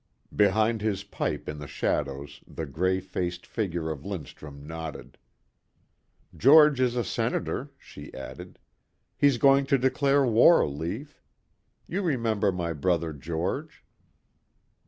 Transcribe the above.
Behind his pipe in the shadows the grey faced figure of Lindstrum nodded. "George is a Senator," she added. "He's going to declare war, Lief. You remember my brother George."